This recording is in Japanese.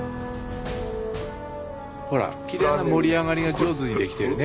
ほらきれいな盛り上がりが上手にできてるね。